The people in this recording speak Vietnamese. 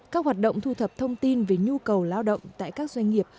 các hoạt động thu thập thông tin về nhu cầu lao động tại các doanh nghiệp